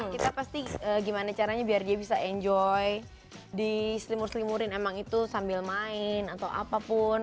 kita pasti gimana caranya biar dia bisa enjoy di selimur selimurin emang itu sambil main atau apapun